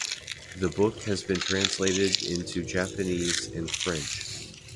The book has been translated into Japanese and French.